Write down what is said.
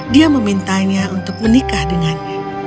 dia meminta dia untuk menikah dengannya